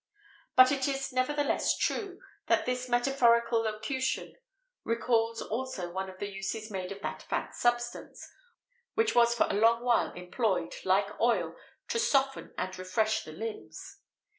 But it is nevertheless true, that this metaphorical locution recalls also one of the uses made of that fat substance, which was for a long while employed, like oil, to soften and refresh the limbs.